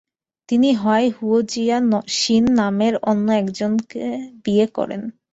তিনি হয় হুয়ো জিয়া-শিন নামের অন্য একজনকে বিয়ে করেন।